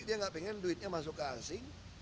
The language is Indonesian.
dia nggak pengen duitnya masuk ke asing